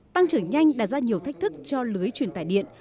tăng trở nhanh đạt ra nhiều thách thức cho lưới chuyển tài điện